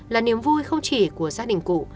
là niềm vui không chỉ của gia đình cụ